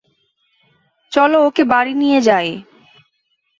চলো ওকে বাড়ি নিয়ে যাই।